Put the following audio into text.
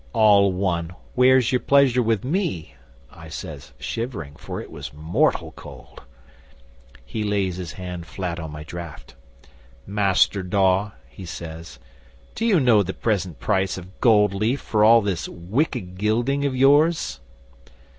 '"All one. Where's your pleasure with me?" I says, shivering, for it was mortal cold. 'He lays his hand flat on my draft. "Master Dawe," he says, "do you know the present price of gold leaf for all this wicked gilding of yours?"